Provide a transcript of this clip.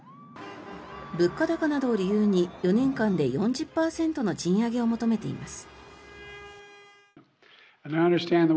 物価高などを理由に４年間で４０％の賃上げを求めています。